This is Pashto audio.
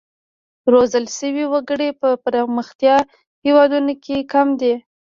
روزل شوي وګړي په پرمختیايي هېوادونو کې کم دي.